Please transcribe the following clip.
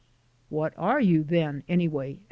"What are you then, anyway?"